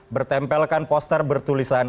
bertempelkan poster bertulisan